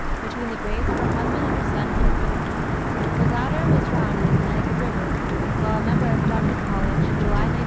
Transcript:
between the graves of her husband and her son, Henry. The latter was drowned in the Connecticut River, while a member of Dartmouth College, July 19, 1857.